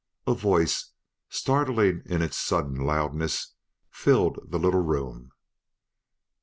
A voice, startling in its sudden loudness, filled the little room.